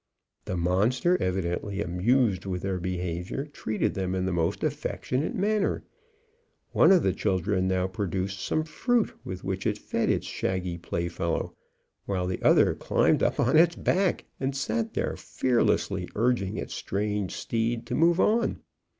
The monster, evidently amused with their behaviour, treated them in the most affectionate manner. One of the children now produced some fruit, with which it fed its shaggy playfellow, while the other climbed up on its back, and sat there, fearlessly urging its strange steed to move on.